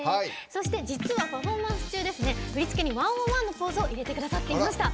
そして、実はパフォーマンス中振り付けに「１０１」のポーズを入れてくださっていました。